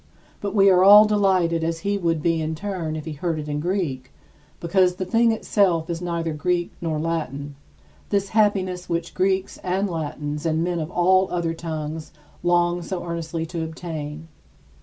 But we are as delighted as he would be in turn if he heard it in Greek, because the thing itself is neither Greek nor Latin, this happiness which Greeks and Latins and men of all the other tongues long so earnestly to obtain.